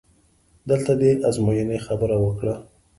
دلته دې د ازموینې خبره وکړه؟!